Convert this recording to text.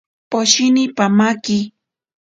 Poshini pamaki.